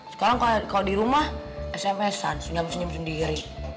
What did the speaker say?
sekarang kalo di rumah sms an gabis gabis sendiri